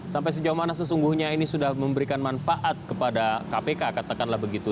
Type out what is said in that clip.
sampai sejauh mana sesungguhnya ini sudah memberikan manfaat kepada kpk katakanlah begitu